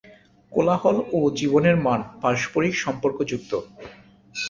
কোলাহল এবং জীবনের মান পারস্পরিক সম্পর্কযুক্ত।